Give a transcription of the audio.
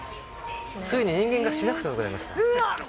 ついに人間がしなくてもよくなりました。